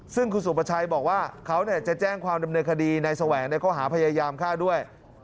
ซึ่งคุณสุประชัยบอกว่าเขาจะแจ้งความดำเนินคดีนายแสวงในข้อหาพยายามฆ่าด้วย